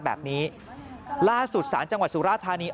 แบบนี้ล่าสุดศาลจังหวัดสุราธานี